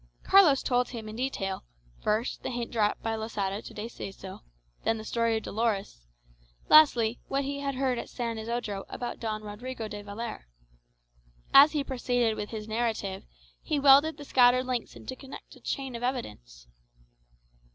Carlos told him in detail, first the hint dropped by Losada to De Seso; then the story of Dolores; lastly, what he had heard at San Isodro about Don Rodrigo de Valer. And as he proceeded with his narrative, he welded the scattered links into a connected chain of evidence.